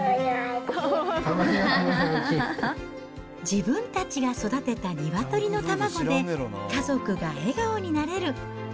自分たちが育てた鶏の卵で、家族が笑顔になれる。